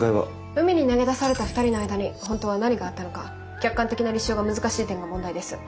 海に投げ出された２人の間に本当は何があったのか客観的な立証が難しい点が問題です。